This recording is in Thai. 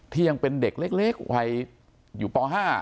ยังเป็นเด็กเล็กวัยอยู่ป๕